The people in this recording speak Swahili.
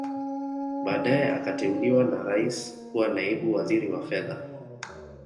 Baadae akateuliwa na Rais kuwa Naibu Waziri wa Fedha